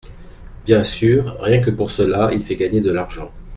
Bien sûr ! Rien que pour cela, il fait gagner de l’argent.